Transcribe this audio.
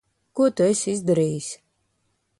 Ko tu esi izdarījis?